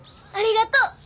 ありがとう！